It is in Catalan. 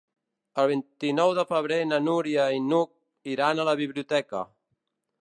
El vint-i-nou de febrer na Núria i n'Hug iran a la biblioteca.